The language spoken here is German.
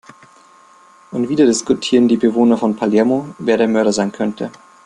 Und wieder diskutieren die Bewohner von Palermo, wer der Mörder sein könnte.